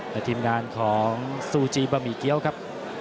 และทีมงานของซูจีบะหมี่เกี้ยวครับ